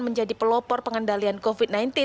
menjadi pelopor pengendalian covid sembilan belas